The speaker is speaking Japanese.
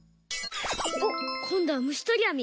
おっこんどはむしとりあみ。